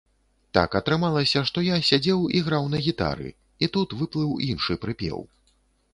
Так атрымалася, што я сядзеў і граў на гітары, і тут выплыў іншы прыпеў.